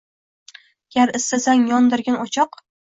Gar istasang, yondirgin o‘choq